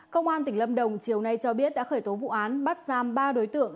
công an tỉnh lâm đồng chiều nay cho biết đã khởi tố vụ án bắt giam ba đối tượng